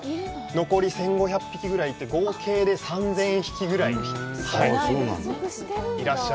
残り１５００匹ぐらいいて、合計で３０００匹ぐらいいらっしゃる。